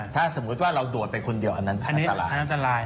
ถ้าสมมุติว่าเราโดดไปคนเดียวอันนั้นอันตรายอันตราย